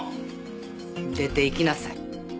出て行きなさい。